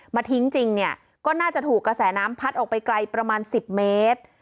ทิ้งจริงเนี่ยก็น่าจะถูกกระแสน้ำพัดออกไปไกลประมาณ๑๐เมตร